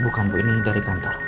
bukan bu ini dari kantor